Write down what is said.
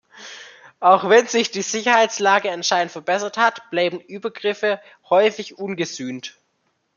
Auch wenn sich die Sicherheitslage anscheinend verbessert hat, bleiben Übergriffe häufig ungesühnt.